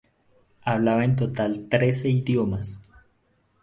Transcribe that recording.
Hablaba en total trece idiomas.